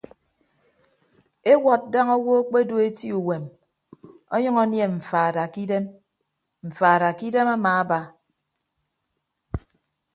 Ewọd daña owo akpedu eti uwem ọnyʌñ anie mfaada kidem mfaada kidem amaaba.